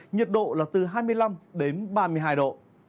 nhiệt độ là từ hai mươi năm đến ba mươi hai độ